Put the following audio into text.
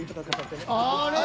あれ？